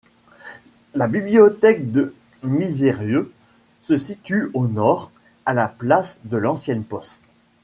La bibliothèque de Misérieux se situe au nord, à la place de l'ancienne poste.